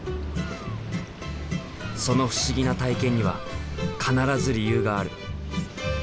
その不思議な体験には必ず理由がある。